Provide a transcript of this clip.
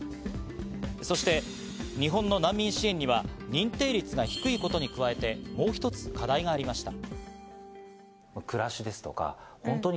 そして日本の難民支援には、認定率が低いことに加えてもう一つ課題がありました。